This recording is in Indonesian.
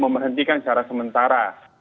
memerhentikan secara sementara